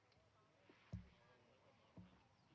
สวัสดีครับ